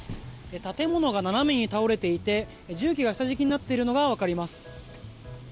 建物が斜めに倒れていて重機が下敷きになっているのが分かります。